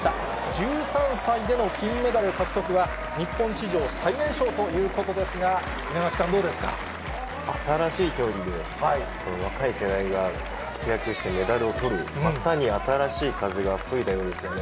１３歳での金メダル獲得は、日本史上最年少ということですが、新しい競技で、若い世代が活躍して、メダルをとる、まさに新しい風が吹いたようですよね。